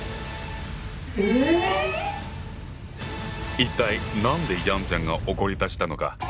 一体何でヤンちゃんが怒りだしたのか？